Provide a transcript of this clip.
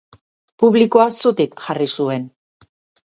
Publikoa zutik jarri zuen.